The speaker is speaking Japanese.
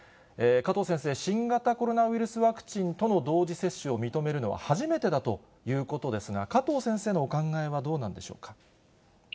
加藤先生、新型コロナウイルスワクチンとの同時接種を認めるのは初めてだということですが、加藤先生のお考えは、どうなんでしょうか。